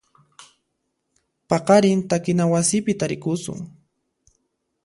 Paqarin takina wasipi tarikusun.